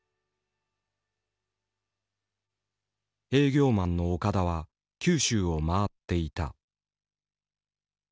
営業マンの岡田は九州を回っていた。